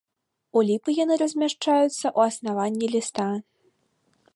У ліпы яны размяшчаюцца ў аснаванні ліста.